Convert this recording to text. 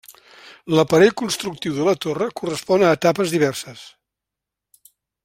L'aparell constructiu de la torre correspon a etapes diverses.